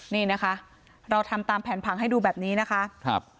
นี่นะคะเราทำตามแผนผังให้ดูแบบนี้นะคะครับ